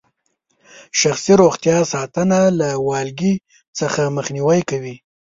شخصي روغتیا ساتنه له والګي څخه مخنیوي کوي.